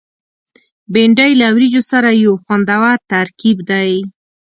بېنډۍ له وریجو سره یو خوندور ترکیب دی